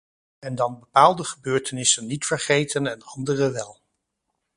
En dan bepaalde gebeurtenissen niet vergeten en andere wel.